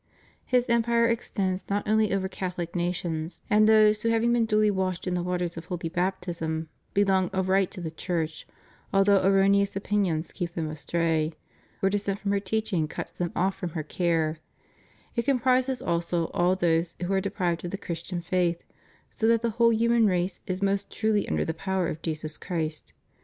His empire extends not only over Catholic nations and those who having been duly washed in the waters of holy Baptism, belong of right to the Church, although erroneous opinions keep them astray, or dissent from her teaching cuts them off from her care; it comprises also all those who are de prived of the Christian faith, so that the whole human race is most truly under the power of Jesus Christ.